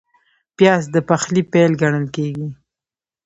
پیاز د پخلي پیل ګڼل کېږي